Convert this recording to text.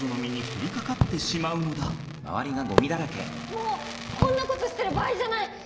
もうこんなことしてる場合じゃない！